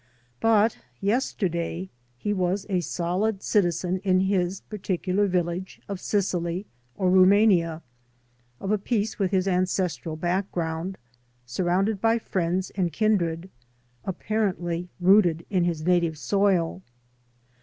But yesterday he was a solid citizen in his particular village of Sicily or Rumania, of a piece with his ancestral background, smrounded by friends and kindred, apparentiy rooted in his native soil.